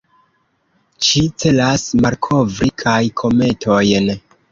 Ĝi celas malkovri kaj kometojn.